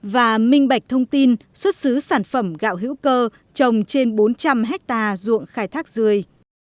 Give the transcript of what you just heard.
và minh bạch thông tin xuất xứ sản phẩm gạo hữu cơ trồng trên bốn trăm linh hectare ruộng khai thác rươi